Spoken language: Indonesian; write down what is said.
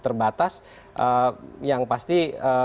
terbatas yang pasti